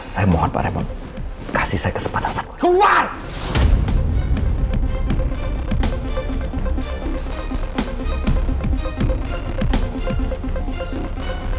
saya mohon pak raymond kasih saya kesempatan saya